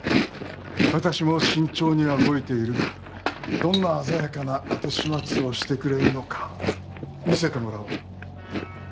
私も慎重には動いているがどんな鮮やかな後始末をしてくれるのか見せてもらおう。